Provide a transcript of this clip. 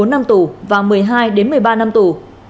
một mươi ba một mươi bốn năm tù và một mươi hai một mươi ba năm tù